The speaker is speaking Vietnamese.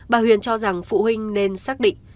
bà huyền cho rằng phụ huynh nên xác định